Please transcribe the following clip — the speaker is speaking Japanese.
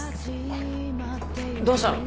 どうしたの？